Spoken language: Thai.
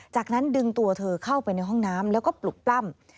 จากนั้นดึงตัวเธอเข้าไปในห้องน้ำแล้วก็ปลุกปล้ำ